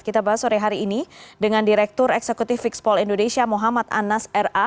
kita bahas sore hari ini dengan direktur eksekutif fixpol indonesia muhammad anas ra